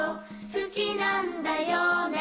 「好きなんだよね？」